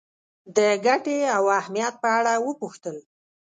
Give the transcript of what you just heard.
د ګټې او اهمیت په اړه وپوښتل.